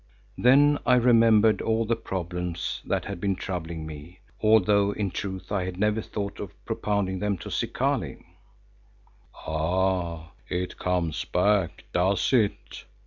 Then I remembered all the problems that had been troubling me, although in truth I had never thought of propounding them to Zikali. "Ah! it comes back, does it?"